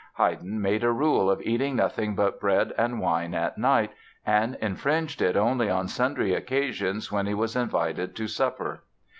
Haydn made a rule of eating nothing but bread and wine at night and infringed it only on sundry occasions when he was invited to supper.